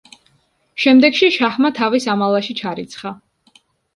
შემდეგში შაჰმა თავის ამალაში ჩარიცხა.